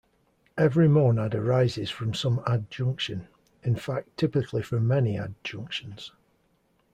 Every monad arises from some adjunction, in fact typically from many adjunctions.